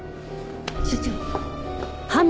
所長。